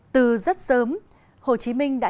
từ rất sớm hồ chí minh đã nhận ra rằng